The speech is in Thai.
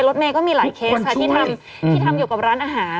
รถเมย์ก็มีหลายเคสค่ะที่ทำอยู่กับร้านอาหาร